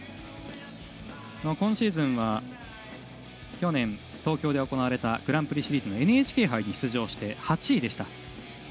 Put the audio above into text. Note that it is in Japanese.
今シーズンは去年東京で行われたグランプリシリーズのＮＨＫ杯に出場して８位でした。